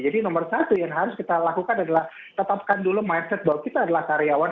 jadi nomor satu yang harus kita lakukan adalah tetapkan dulu mindset bahwa kita adalah karyawan